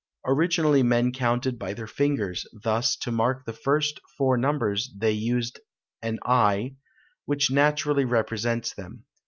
Originally men counted by their fingers; thus, to mark the first four numbers they used an I, which naturally represents them.